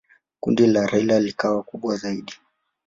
Kundi la Raila likawa kubwa zaidi.